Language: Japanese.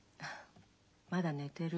まだ寝てる。